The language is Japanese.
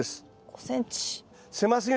５ｃｍ。